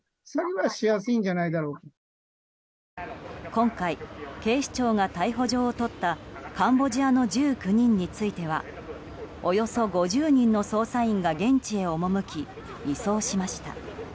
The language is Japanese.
今回、警視庁が逮捕状を取ったカンボジアの１９人についてはおよそ５０人の捜査員が現地へ赴き、移送しました。